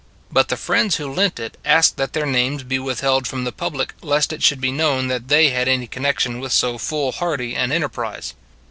But the friends who lent it asked that their names be withheld from the public lest it should be known that they had any connection with so foolhardy an enterprise.